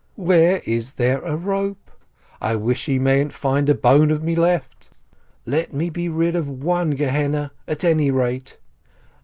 "Where is there a rope? I wish he mayn't find a bone of me left ! Let me be rid of one Gehenna at any rate